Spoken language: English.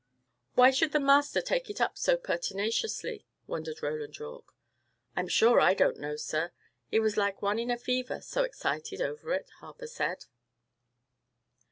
"Why should the master take it up so pertinaciously?" wondered Roland Yorke. "I'm sure I don't know, sir. He was like one in a fever, so excited over it, Harper said."